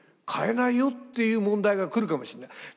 買えないよっていう問題が来るかもしれない。